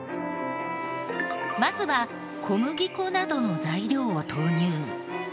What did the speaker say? まずは小麦粉などの材料を投入。